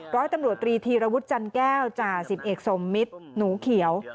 ร้อยตำรวจตรีธีรวุฒิจันแก้วจ่าสิบเอกสมมิตรหนูเขียว